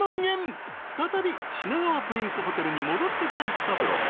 ［再び品川プリンスホテルに戻ってきた育三郎］